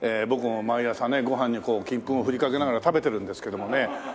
僕も毎朝ねご飯に金粉を振りかけながら食べてるんですけどもね。